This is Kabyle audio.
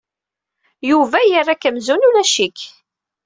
Yuba yerra-k amzun ulac-ik.